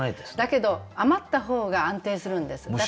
だけど余った方が安定するんです。